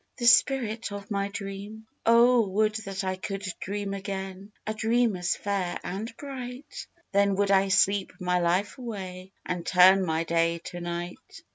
This Spirit of my Dream ! Oh ! would that I could dream again A dream as fair and bright ! Then would I sleep my life away And turn my day to night